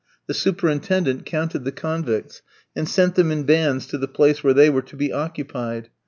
The superintendent counted the convicts, and sent them in bands to the places where they were to be occupied.